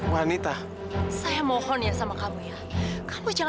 jadi tak ada andre b aesthetic